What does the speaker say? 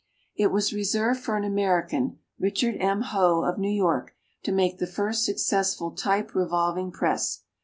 It was reserved for an American, Richard M. Hoe, of New York, to make the first successful type revolving press.